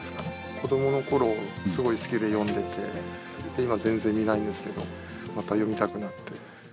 子どものころ、すごい好きで読んでいて、今、全然見ないんですけど、また読みたくなって。